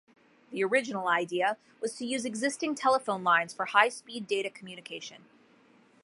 The original idea was to use existing telephone lines for high speed data communication.